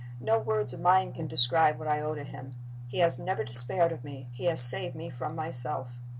No words of mine can describe what I owe to him. He has never despaired of me he has saved me from myself.